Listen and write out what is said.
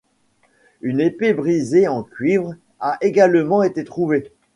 Une épée brisée en cuivre a également été trouvée.